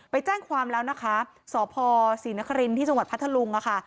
ไปแจ้งความแล้วนะคะสพศรีนครินที่จังหวัดพัทธลุงค่ะ